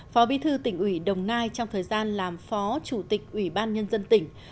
phó bí thư tỉnh ủy đồng nai trong thời gian làm phó chủ tịch ủy ban nhân dân tỉnh